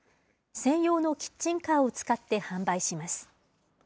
専用のキッチンカーを使って販売します。